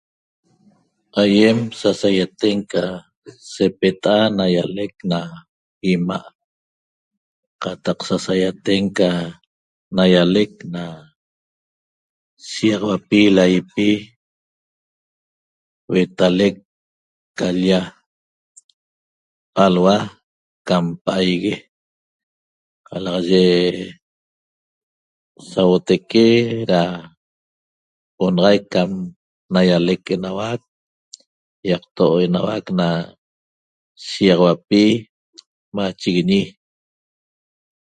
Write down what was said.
Aiem sasaiaten ca sepeta'a ca naialec na ima' qataq sasaiaten ca naialec na shigaxauapi laipi huetalec ca l-lla alhua cam pa'aigue qalaxaye sauotaique ra onaxaic cam naialec enauac yaqto enauac na shigaxauapi machiguiñi